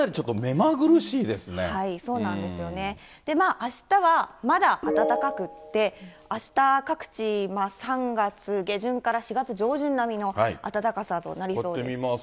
あしたはまだ暖かくって、あした各地、３月下旬から４月上旬並みの暖かさとなりそうです。